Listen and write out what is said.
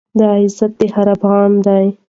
دا عزت د هر افــــغـــــــان دی،